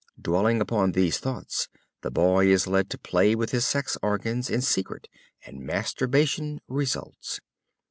Dwelling upon these thoughts the boy is led to play with his sex organs in secret and masturbation results.